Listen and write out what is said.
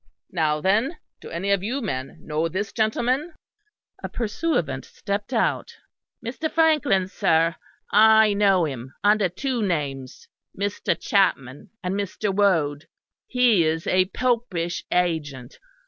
"Now then, do any of you men know this gentleman?" A pursuivant stepped out. "Mr. Frankland, sir; I know him under two names Mr. Chapman and Mr. Wode. He is a popish agent.